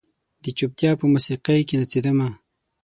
د چوپتیا په موسیقۍ کې نڅیدمه